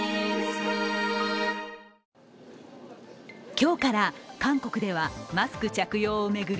今日から韓国ではマスク着用を巡り